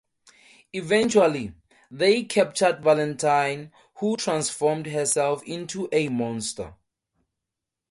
Eventually, they captured Valentine, who transformed herself into a monster.